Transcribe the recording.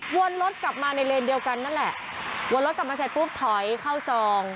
วนรถกลับมาในเลนเดียวกันนั่นแหละวนรถกลับมาเสร็จปุ๊บถอยเข้าซอง